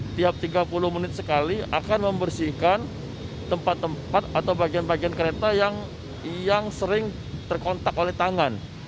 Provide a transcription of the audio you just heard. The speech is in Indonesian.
setiap tiga puluh menit sekali akan membersihkan tempat tempat atau bagian bagian kereta yang sering terkontak oleh tangan